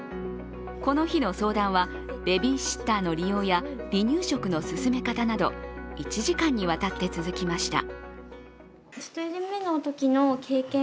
この日の相談はベビーシッターの利用や離乳食の進め方など１時間にわたって続きました。